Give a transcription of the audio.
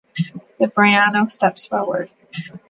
Then Briano steps forward.